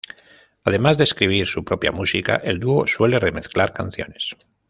Además de escribir su propia música, el dúo suele remezclar canciones.